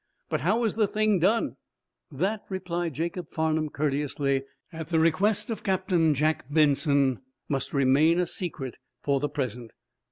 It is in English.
"But how is the thing done?" "That," replied Jacob Farnum, courteously, "at the request of Captain John Benson, must remain a secret for the present."